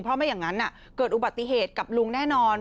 เพราะไม่อย่างนั้นเกิดอุบัติเหตุกับลุงแน่นอน